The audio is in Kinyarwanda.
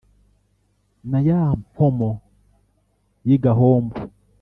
na ya mpomo y'i gahombo